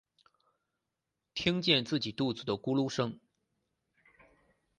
听见自己肚子的咕噜声